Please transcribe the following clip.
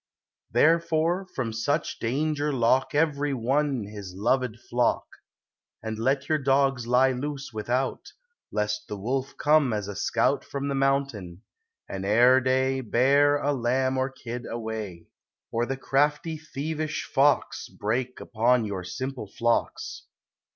Therefore from such danger lock Every one his loved flock ; And let your dogs lie loose without, Lest the wolf come as a scout From the mountain, and ere day, Bear a lamb or kid away ; Or the crafty, thievish fox, Break upon your simple flocks.